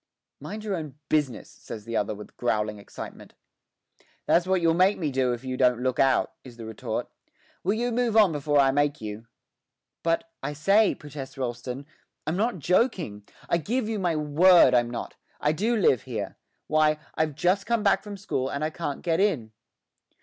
'Mind your own business,' says the other with growing excitement. 'That's what you'll make me do if you don't look out,' is the retort. 'Will you move on before I make you?' 'But, I say,' protests Rolleston, 'I'm not joking; I give you my word I'm not. I do live here. Why, I've just come back from school, and I can't get in.'